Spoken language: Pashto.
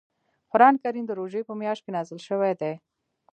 قران کریم د روژې په میاشت کې نازل شوی دی .